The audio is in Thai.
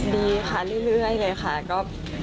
ดีค่ะเรื่อยเลยค่ะ